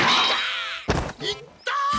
いった！